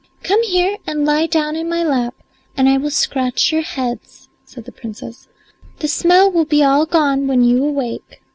"Come here and lie down in my lap and I will scratch your heads," said the Princess. "The smell will be all gone when you awake."